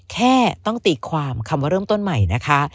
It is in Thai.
แค่ต้องตีความคำว่าเริ่มต้นใหม่นะคะ